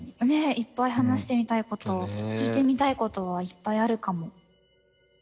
いっぱい話してみたいこと聞いてみたいことはいっぱいあるかも。